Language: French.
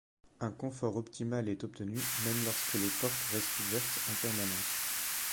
Un confort optimal est obtenu, même lorsque les portes restent ouvertes en permanence.